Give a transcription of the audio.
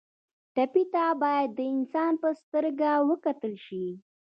ټپي ته باید د انسان په سترګه وکتل شي.